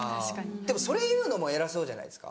でもそれ言うのも偉そうじゃないですか。